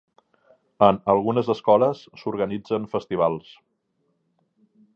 En algunes escoles s'organitzen festivals.